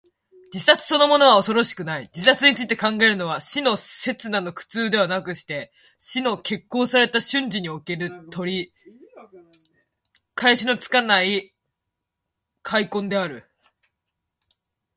自殺そのものは恐ろしくない。自殺について考えるのは、死の刹那の苦痛ではなくして、死の決行された瞬時における、取り返しのつかない悔恨である。